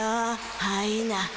はいな。